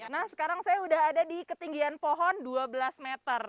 nah sekarang saya sudah ada di ketinggian pohon dua belas meter